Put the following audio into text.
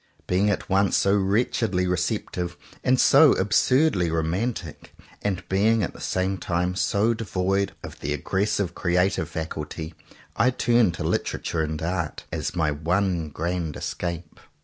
Being at once so wretchedly receptive and so absurdly ro mantic, and being at the same time so devoid of the aggressive creative faculty, I turn to Literature and Art as my one grand escape.